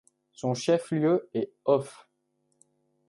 Son chef lieu est Hof.